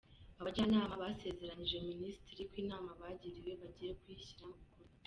Abajyanama basezeranyije Minisitiri ko inama bagiriwe bagiye kuyishyira mu bikorwa.